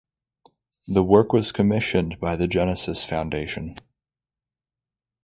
The work was commissioned by the Genesis Foundation.